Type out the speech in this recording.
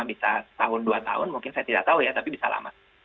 bisa setahun dua tahun mungkin saya tidak tahu ya tapi bisa lama